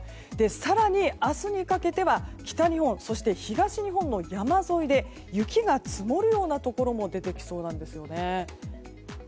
更に、明日にかけては北日本そして東日本の山沿いで雪が積もるようなところも出てきそうなんですよね。